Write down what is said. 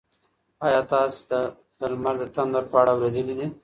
ایا تاسي د لمر د تندر په اړه اورېدلي دي؟